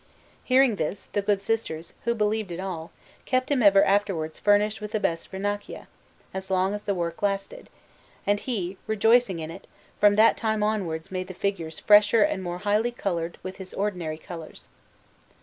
Hearing this, the good sisters, who believed it all, kept him ever afterwards furnished with the best Vernaccia, as long as the work lasted; and he, rejoicing in it, from that time onwards made the figures fresher and more highly coloured with his ordinary colours.